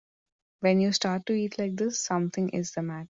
When you start to eat like this something is the matter.